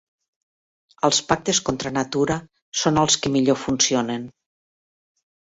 Els pactes contra natura són els que millor funcionen.